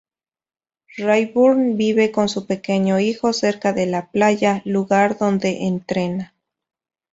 Rayburn vive con su pequeño hijo cerca de la playa, lugar donde entrena.